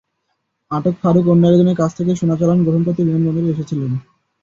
আটক ফারুক অন্য একজনের কাছ থেকে সোনার চালান গ্রহণ করতে বিমানবন্দরে এসেছিলেন।